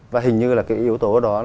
và hình như là cái yếu tố đó